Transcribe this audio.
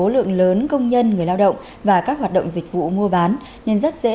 lượng lớn công nhân người lao động và các hoạt động dịch vụ mua bán nên rất dễ